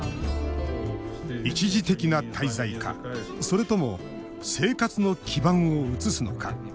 一時的な滞在かそれとも生活の基盤を移すのか。